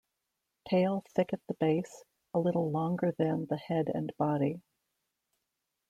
Tail thick at the base, a little longer than the head and body.